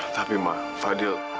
tapi ma fadil